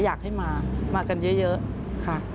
อยากให้มามากันเยอะค่ะ